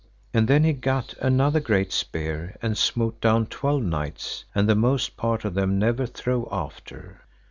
And then he gat another great spear, and smote down twelve knights, and the most part of them never throve after.